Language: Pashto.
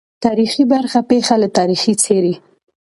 تاریخي برخه پېښه له تاریخه څېړي.